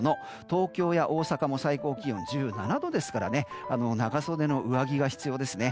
東京や大阪も最高気温１７度ですから長袖の上着が必要ですね。